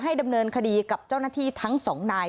ดำเนินคดีกับเจ้าหน้าที่ทั้งสองนาย